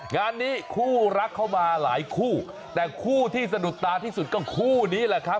งานนี้คู่รักเข้ามาหลายคู่แต่คู่ที่สะดุดตาที่สุดก็คู่นี้แหละครับ